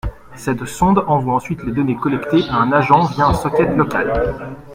Cette sonde envoie ensuite les données collectées à un agent via un socket local.